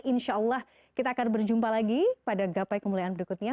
insya allah kita akan berjumpa lagi pada gapai kemuliaan berikutnya